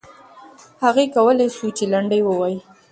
هغې کولای سوای چې لنډۍ ووایي.